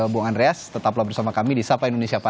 bung andreas tetaplah bersama kami di sapa indonesia